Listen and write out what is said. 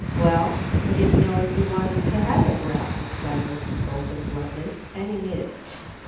"Well I didn't know as you wanted to have it round," replied Mrs. Bolton bluntly. Annie made a "Tchk!"